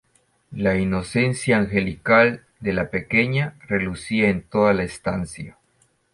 La inocencia angelical de la pequeña relucía en toda la estancia